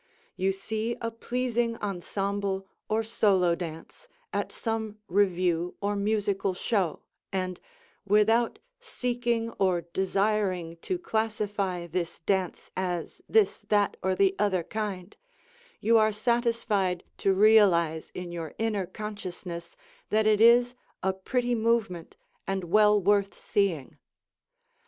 You see a pleasing ensemble or solo dance at some revue or musical show and, without seeking or desiring to classify this dance as this, that or the other kind, you are satisfied to realize in your inner consciousness that it is a pretty movement and well worth seeing.